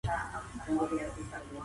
ما د انځورونو رسم کړي دي.